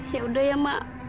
ya udah ya mak